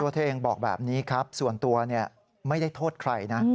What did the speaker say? เธอเองบอกแบบนี้ครับส่วนตัวไม่ได้โทษใครนะ